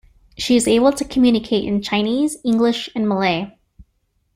She is able to communicate in Chinese, English, and Malay.